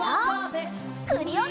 クリオネ！